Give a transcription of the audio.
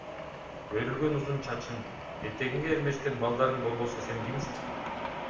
Өрүлгөн узун чачың, этегиңе эрмешкен балдарың болбосо сен кимсиң?